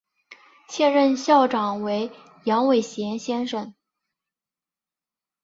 现任校长为杨伟贤先生。